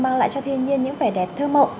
mang lại cho thiên nhiên những vẻ đẹp thơ mộng